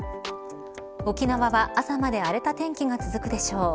沖縄は朝まで荒れた天気が続くでしょう。